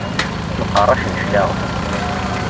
Mqeṛṛacen cclaɣem.